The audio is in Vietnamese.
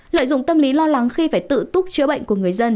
lợi dụng tâm lý lo lắng khi phải tự túc chữa bệnh của người dân